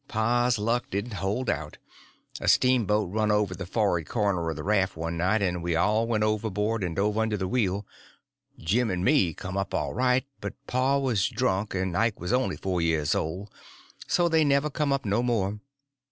Pa's luck didn't hold out; a steamboat run over the forrard corner of the raft one night, and we all went overboard and dove under the wheel; Jim and me come up all right, but pa was drunk, and Ike was only four years old, so they never come up no more.